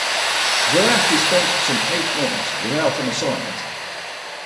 There he spent some eight months without an assignment.